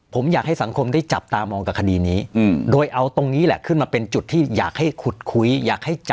ผมอยากให้สังคมได้จับตามองกับคดีนี้โดยเอาตรงนี้แหละขึ้นมาเป็นจุดที่อยากให้ขุดคุยอยากให้จับ